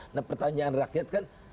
nah pertanyaan rakyat kan